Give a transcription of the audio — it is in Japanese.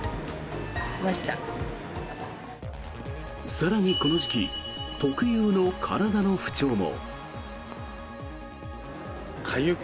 更に、この時期特有の体の不調も。